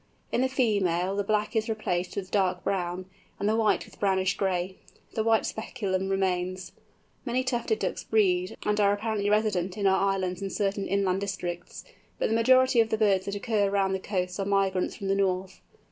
In the female, the black is replaced by dark brown, and the white with brownish gray: the white speculum remains. Many Tufted Ducks breed, and are apparently resident in our islands in certain inland districts; but the majority of the birds that occur round the coasts are migrants from the north.